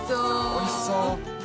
おいしそう。